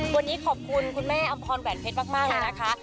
วันนี้ขอบคุณคุณแม่อำพรแหวนเพชรมากเลยนะคะ